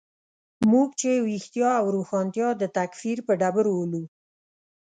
موږ چې ویښتیا او روښانتیا د تکفیر په ډبرو ولو.